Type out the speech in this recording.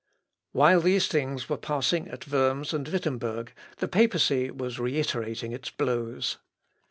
While these things were passing at Worms and Wittemberg, the Papacy was reiterating its blows.